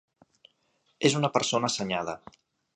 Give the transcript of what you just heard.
És una persona assenyada.